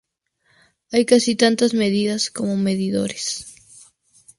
Hay casi tantas medidas como medidores.